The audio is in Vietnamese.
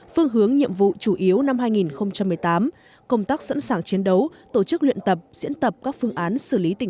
phương hướng nhiệm vụ chủ yếu năm hai nghìn một mươi tám công tác sẵn sàng chiến đấu tổ chức luyện tập diễn tập các phương án